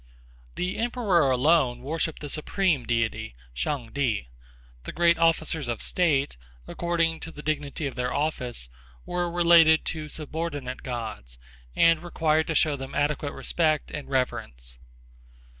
The emperor alone worshipped the supreme deity, Shang Ti; the great officers of state, according to the dignity of their office, were related to subordinate gods and required to show them adequate respect and reverence.